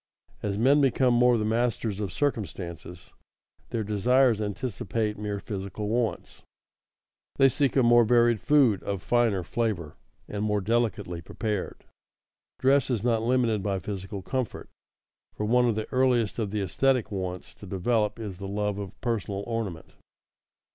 As men become more the masters of circumstances, their desires anticipate mere physical wants; they seek a more varied food of finer flavor and more delicately prepared. Dress is not limited by physical comfort, for one of the earliest of the esthetic wants to develop is the love of personal ornament.